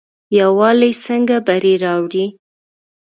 یووالی څنګه بری راوړي؟